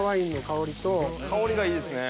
香りがいいですね。